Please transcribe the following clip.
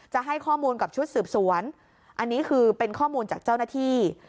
จะให้ข้อมูลกับชุดสืบสวนอันนี้คือเป็นข้อมูลจากเจ้าหน้าที่